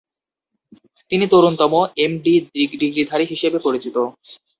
তিনি তরুণতম এম.ডি. ডিগ্রিধারী হিসেবে পরিচিত।